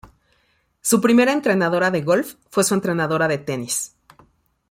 Su primera entrenadora de golf fue su entrenadora de tenis.